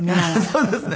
そうですね。